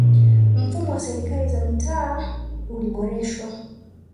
mfumo wa serikali za mitaa uliboreshwa